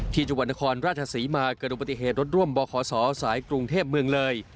จังหวัดนครราชศรีมาเกิดอุบัติเหตุรถร่วมบขศสายกรุงเทพเมืองเลย